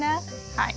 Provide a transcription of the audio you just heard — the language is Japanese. はい。